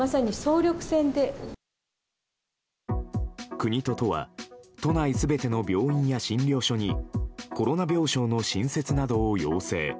国と都は都内全ての病院や診療所にコロナ病床の新設などを要請。